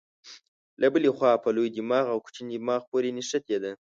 له بلې خوا په لوی دماغ او کوچني دماغ پورې نښتې ده.